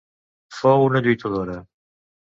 Fou una lluitadora.